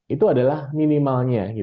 itu adalah minimalnya